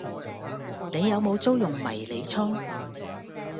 你有冇租用迷你倉？